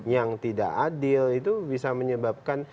yang tidak adil itu bisa menyebabkan